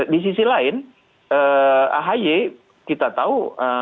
di sisi lain ahy kita tahu